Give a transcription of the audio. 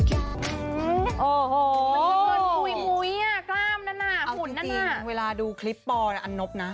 คือจริงเวลาดูคลิปปออันนบนะ